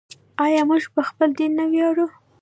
آیا موږ په خپل دین نه ویاړو؟